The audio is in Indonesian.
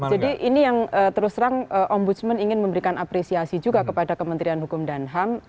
jadi ini yang terus terang ombudsman ingin memberikan apresiasi juga kepada kementerian hukum dan ham